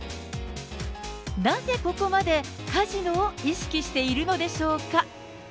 なぜここまでカジノを意識しているのでしょうか。